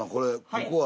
ここは。